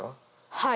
はい。